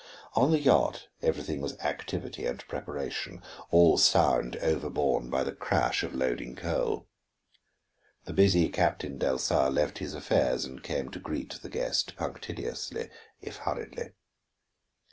On the yacht everything was activity and preparation, all sound overborne by the crash of loading coal. The busy Captain Delsar left his affairs and came to greet the guest punctiliously, if hurriedly.